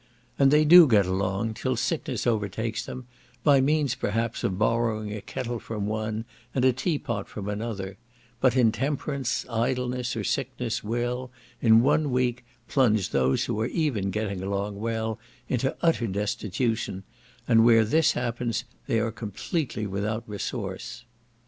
And they do get along, till sickness overtakes them, by means perhaps of borrowing a kettle from one and a tea pot from another; but intemperance, idleness, or sickness will, in one week, plunge those who are even getting along well, into utter destitution; and where this happens, they are completely without resource.